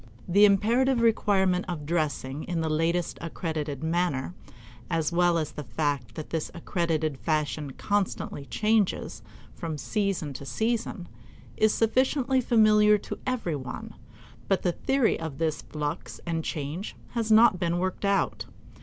The imperative requirement of dressing in the latest accredited manner, as well as the fact that this accredited fashion constantly changes from season to season, is sufficiently familiar to every one, but the theory of this flux and change has not been worked out.